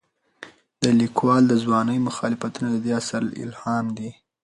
د لیکوال د ځوانۍ مخالفتونه د دې اثر الهام دي.